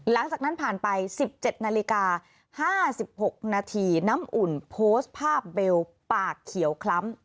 หลังจากนั้นผ่านไป๑๗นาฬิกา๕๖นาทีน้ำอุ่นโพสต์ภาพเบลปากเขียวคล้ำ